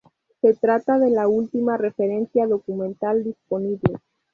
Se trata de la última referencia documental disponible.